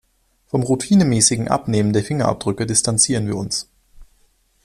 Vom routinemäßigen Abnehmen der Fingerabdrücke distanzieren wir uns.